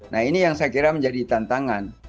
nah ini yang saya kira menjadi tantangan